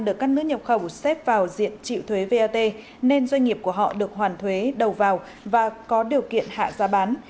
được các nước nhập khẩu xếp vào diện triệu thuế vat nên doanh nghiệp của họ được hoàn thuế đầu vào và có điều kiện hạ giá bán